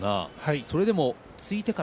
それでも突いてから。